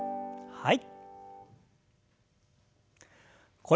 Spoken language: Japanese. はい。